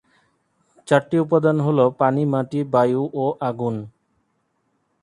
চারটি উপাদান হল পানি, মাটি, বায়ু ও আগুন।